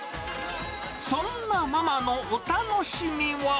そんなママのお楽しみは。